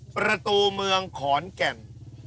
ประตูเมืองขอนแก่น